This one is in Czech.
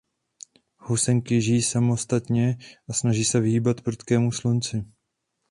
Housenky žijí samostatně a snaží se vyhýbat prudkému slunci.